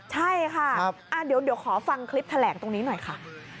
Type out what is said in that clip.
ใช่ค่ะเดี๋ยวขอฟังคลิปแถลงตรงนี้หน่อยค่ะ